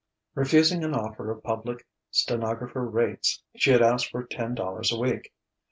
Refusing an offer of public stenographer rates, she had asked for ten dollars a week.